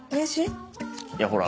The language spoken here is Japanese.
いやほら